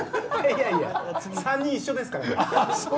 いやいや３人一緒ですから。